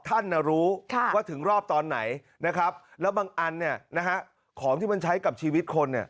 ท่านรู้ว่าถึงรอบตอนไหนนะครับแล้วบางอันเนี่ยนะฮะของที่มันใช้กับชีวิตคนเนี่ย